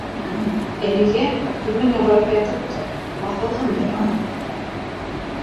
— Әлегә бүлмәңә барып ятып тор, баҫылһын бер аҙ.